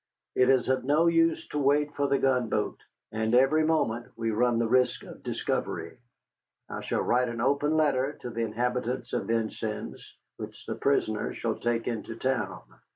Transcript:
It is of no use to wait for the gunboat, and every moment we run the risk of discovery. I shall write an open letter to the inhabitants of Vincennes, which the prisoner shall take into town.